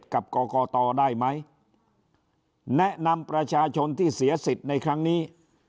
กับกรกตได้ไหมแนะนำประชาชนที่เสียสิทธิ์ในครั้งนี้